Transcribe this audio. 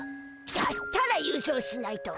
だったら優勝しないと。